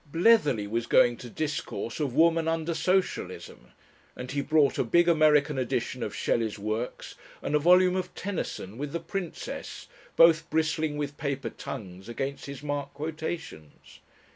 Bletherley was going to discourse of "Woman under Socialism," and he brought a big American edition of Shelley's works and a volume of Tennyson with the "Princess," both bristling with paper tongues against his marked quotations.